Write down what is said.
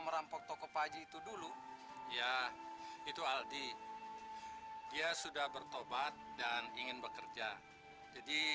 sampai jumpa di video selanjutnya